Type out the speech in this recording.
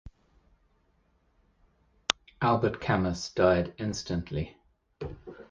Albert Camus died instantly.